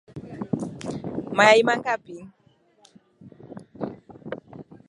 Mayai mangapi?